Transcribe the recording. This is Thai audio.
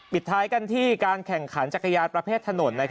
ปิดท้ายกันที่การแข่งขันจักรยานประเภทถนน